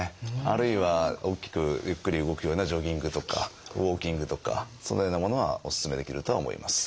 あるいは大きくゆっくり動くようなジョギングとかウォーキングとかそのようなものはお勧めできるとは思います。